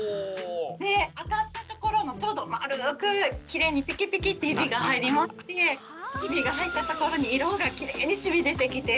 で当たったところのちょうどまるくきれいにピキピキってヒビが入りましてヒビが入ったところに色がきれいに染み出てきて。